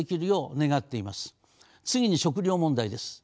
次に食糧問題です。